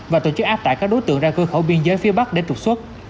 và tổ chức áp tải các đối tượng ra cơ khẩu biên giới phía bắc để trục xuất